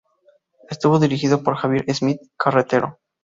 Estuvo dirigido por Javier Smith Carretero.